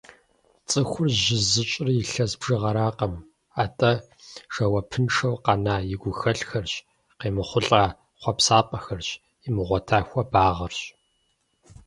Цӏыхур жьы зыщӏыр илъэс бжыгъэракъым, атӏэ жэуапыншэу къэна и гухэлъхэрщ, къеймыхъулӏа хъуэпсапӏэхэрщ, имыгъуэта хуэбагъэрщ.